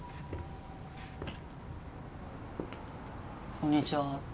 こんにちは。